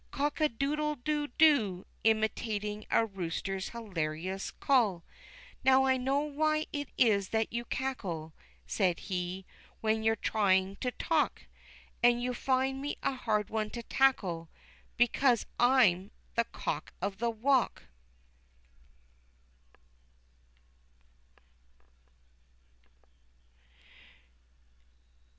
"Cock a doodle doo doo!" imitating a rooster's hilarious call. "Now I know why it is that you cackle," said he, "when you're trying to talk! And you find me a hard one to tackle, because I am COCK OF THE WALK!"